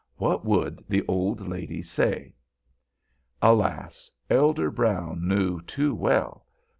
What would the old lady say? Alas! Elder Brown knew too well.